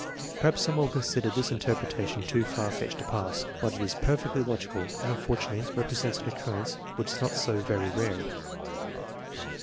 Perhaps some will consider this interpretation too far fetched to pass. But it is perfectly logical and, unfortunately, represents an occurrence which is not so very rare.